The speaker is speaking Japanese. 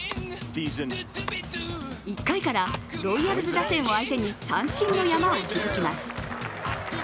１回からロイヤルズ打線を相手に三振の山を築きます。